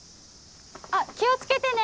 あっ気を付けてね！